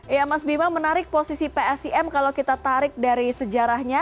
ya mas bima menarik posisi psim kalau kita tarik dari sejarahnya